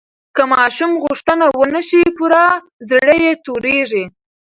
که ماشوم غوښتنه ونه شي پوره، زړه یې تورېږي.